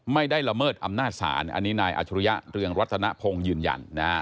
ละเมิดอำนาจศาลอันนี้นายอัชรุยะเรืองรัตนพงศ์ยืนยัน